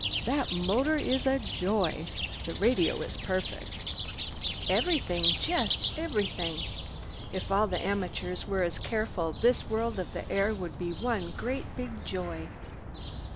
That motor is a joy! The radio is perfect. Everything, just everything. If all the amateurs were as careful this world of the air would be one great big joy."